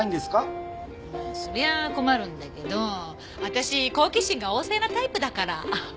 それは困るんだけど私好奇心が旺盛なタイプだから。